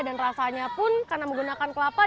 dan rasanya pun karena menggunakan kelapa